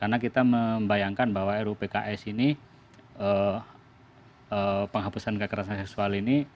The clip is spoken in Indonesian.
nah saya membayangkan bahwa ruupks ini penghapusan kekerasan seksual ini